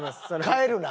帰るな。